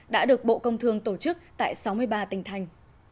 đã được bộ công thương tổ chức tại sáu mươi ba tỉnh thành